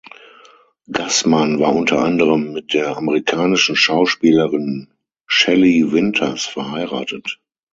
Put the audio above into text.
Gassman war unter anderem mit der amerikanischen Schauspielerin Shelley Winters verheiratet.